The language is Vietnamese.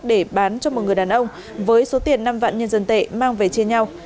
để bán cho một người đàn ông với số tiền năm vạn nhân dân tệ mang về chia nhau